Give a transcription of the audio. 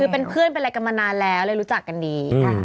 คือเป็นเพื่อนเป็นอะไรกันมานานแล้วเลยรู้จักกันดี